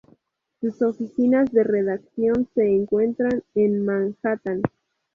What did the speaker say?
Sus oficinas de redacción se encuentran en Manhattan.